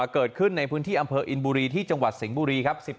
เกิดขึ้นในพื้นที่อำเภออินบุรีที่จังหวัดสิงห์บุรีครับ